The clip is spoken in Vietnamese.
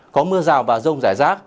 có mưa rào và rông rải rác